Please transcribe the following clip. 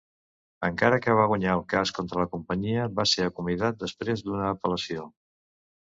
Encara que va guanyar el cas contra la companyia, va ser acomiadat després d'una apel·lació.